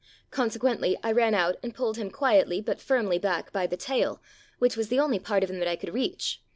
Con sequently I ran out and pulled him quietly but firmly back by the tail, which was the only part of him that I could reach.